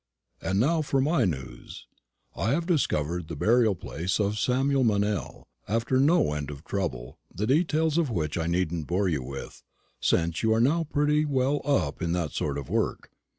"And now for my news. I have discovered the burial place of Samuel Meynell, after no end of trouble, the details of which I needn't bore you with, since you are now pretty well up in that sort of work.